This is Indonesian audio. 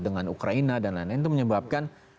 dengan ukraina dan lain lain itu menyebabkan